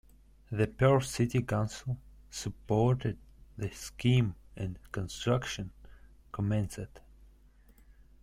The Perth City Council supported the scheme, and construction commenced.